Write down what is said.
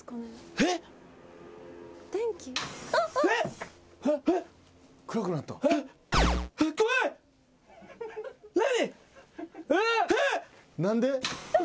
えっ！？何で？